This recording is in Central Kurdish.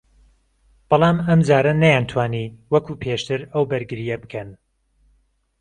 بەڵام ئەمجارە نەیانتوانی وەکو پێشتر ئەو بەرگرییە بکەن